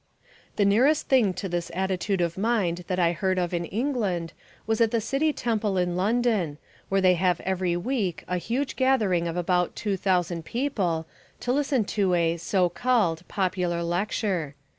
The nearest thing to this attitude of mind that I heard of in England was at the City Temple in London, where they have every week a huge gathering of about two thousand people, to listen to a (so called) popular lecture.